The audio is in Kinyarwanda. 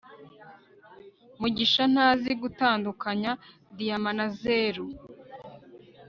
mugisha ntazi gutandukanya diyama na zeru